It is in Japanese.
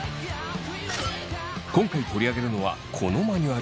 今回取り上げるのはこのマニュアル。